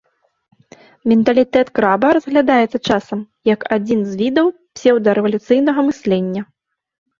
Менталітэт краба разглядаецца, часам, як адзін з відаў псеўдарэвалюцыйнага мыслення.